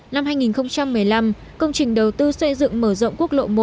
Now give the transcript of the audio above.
năm hai nghìn một mươi năm công trình đầu tư xây dựng mở rộng quốc lộ một